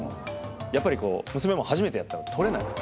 やっぱり娘も初めてやったのでとれなくて。